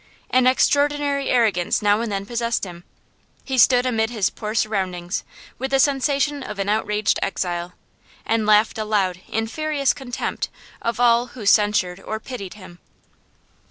An extraordinary arrogance now and then possessed him; he stood amid his poor surroundings with the sensations of an outraged exile, and laughed aloud in furious contempt of all who censured or pitied him.